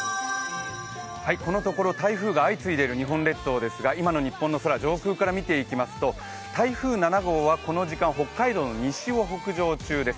このところ台風が相次いでいる日本列島ですが今の日本の空、上空から見ていきますと台風７号はこの時間、北海道の西を北上中です。